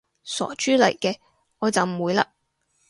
傻豬嚟嘅，我就唔會嘞